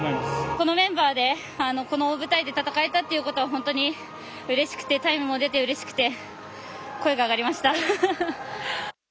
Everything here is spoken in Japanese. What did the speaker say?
このメンバーでこの大舞台で戦えたことが本当にうれしくてタイムも出てうれしくて声が上がりました。